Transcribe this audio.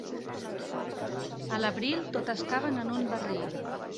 A l'abril, totes caben en un barril.